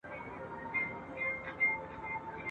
چي راوړي يې د مشکینو زلفو وږم